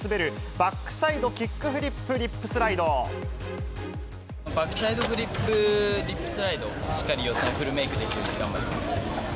バックサイドキックフリップリップスライド、しっかり予選でフルメイクできるように頑張りま